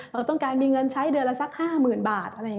เราต้องการมีเงินใช้เดือนละสัก๕๐๐๐บาท